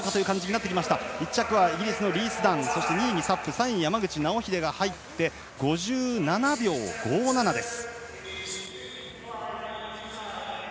１着はイギリスのリース・ダン２位にサップ３位に山口が入って５７秒５７です。